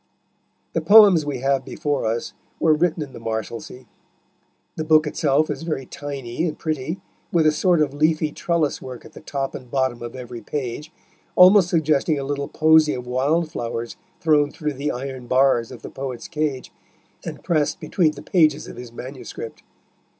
The poems we have before us were written in the Marshalsea. The book itself is very tiny and pretty, with a sort of leafy trellis work at the top and bottom of every page, almost suggesting a little posy of wild flowers thrown through the iron bars of the poet's cage, and pressed between the pages of his manuscript.